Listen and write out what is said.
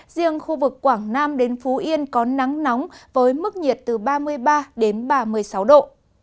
riêng khu vực quảng nam đến phú yên có nắng nóng với mức nhiệt từ ba mươi ba đến ba mươi sáu độ